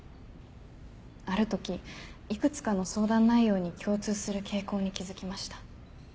ある時いくつかの相談内容に共通する傾向に気付きました。